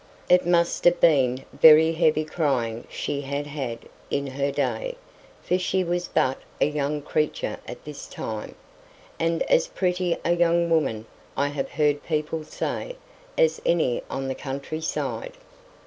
It must have been with the heavy crying she had had in her day, for she was but a young creature at this time, and as pretty a young woman, I have heard people say, as any on the country side.